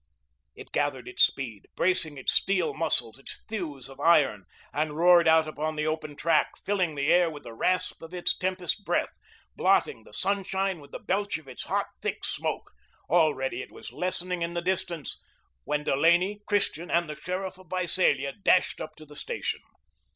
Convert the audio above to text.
It gathered its speed, bracing its steel muscles, its thews of iron, and roared out upon the open track, filling the air with the rasp of its tempest breath, blotting the sunshine with the belch of its hot, thick smoke. Already it was lessening in the distance, when Delaney, Christian, and the sheriff of Visalia dashed up to the station.